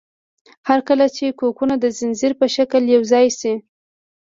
هر کله چې کوکونه د ځنځیر په شکل یوځای شي.